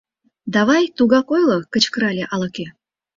— Давай, тугак ойло! — кычкырале ала-кӧ.